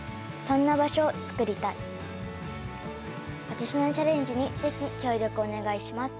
私のチャレンジに是非協力お願いします。